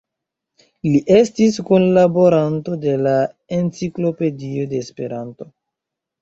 Li estis kunlaboranto de la Enciklopedio de Esperanto.